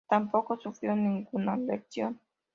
Tampoco sufrió ninguna lesión.